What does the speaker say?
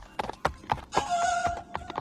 پښتو ژبه په هر ډګر کي د کارولو وړتیا لري.